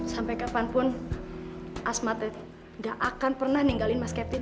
sampai kapanpun asma teh gak akan pernah ninggalin mas kevin